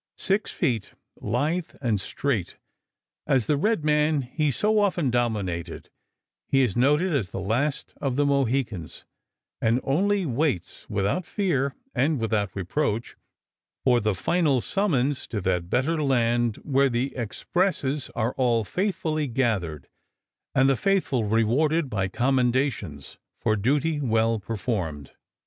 Six feet, lithe and straight as the red man he so often dominated, he is noted as the last of the Mohicans, and only waits, without fear and without reproach, for the final summons to that better land where the expresses are all faithfully gathered and the faithful rewarded by commendations for duty well performed.